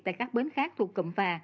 tại các bến khác thuộc cầm phà